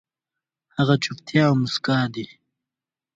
هغه چوپتيا او موسکا دي